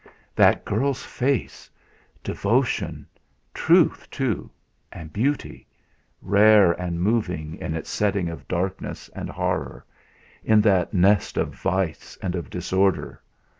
That girl's face! Devotion; truth, too, and beauty, rare and moving, in its setting of darkness and horror, in that nest of vice and of disorder!...